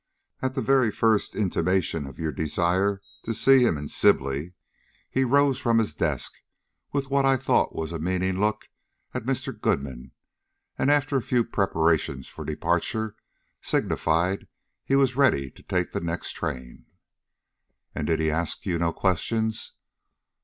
At the very first intimation of your desire to see him in Sibley, he rose from his desk, with what I thought was a meaning look at Mr. Goodman, and after a few preparations for departure, signified he was ready to take the next train." "And did he ask no questions?"